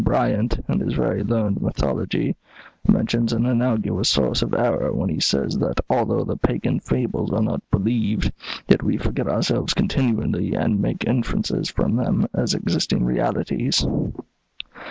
Bryant, in his very learned Mythology, mentions an analogous source of error when he says that 'although the pagan fables are not believed, yet we forget ourselves continually and make inferences from them as existing realities.'